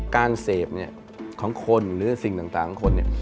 การเศษของคนหรือสิ่งต่างของคนเนี่ย